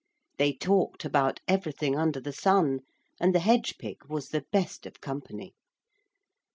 They talked about everything under the sun, and the hedge pig was the best of company.